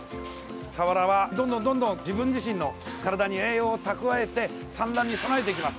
サワラはどんどん、どんどん自分自身の体に栄養を蓄えて産卵に備えていきます。